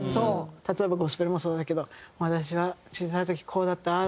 例えばゴスペルもそうだけど私は小さい時こうだったああだった。